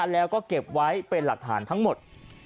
แล้วก็เก็บไว้เป็นหลักฐานทั้งหมด